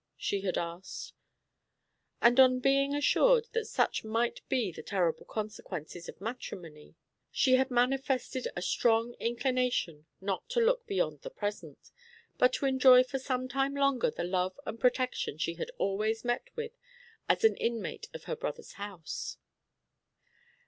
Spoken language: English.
she had asked; and on being assured that such might be the terrible consequences of matrimony, she had manifested a strong inclination not to look beyond the present, but to enjoy for some time longer the love and protection she had always met with as an inmate of her brother's house.